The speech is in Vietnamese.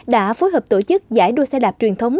đã phối hợp tổ chức giải đua xe đạp truyền thống